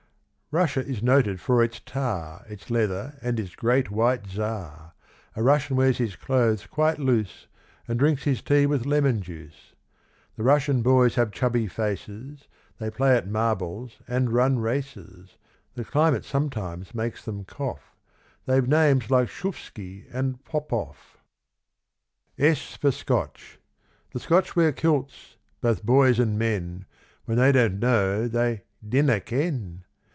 Russia is noted for its tar, Its leather, and its great, white Czar. A Russian wears his clothes quite loose, And drinks his tea with lemon juice. The Russian boys have chubby faces, They play at marbles and run races; The climate sometimes makes them cough, They've names like Shuffski and Poppoff. S for Scotch. The Scotch wear kilts both boys and men, When they don't know, they "dinna ken."